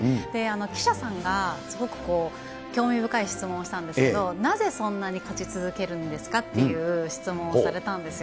記者さんが、すごく興味深い質問をしたんですけど、なぜそんなに勝ち続けるんですかという質問をされたんですよ。